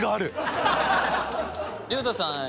隆太さん？